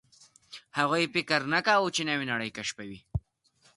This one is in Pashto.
هغوی فکر نه کاوه، چې نوې نړۍ کشفوي.